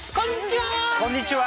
こんにちは！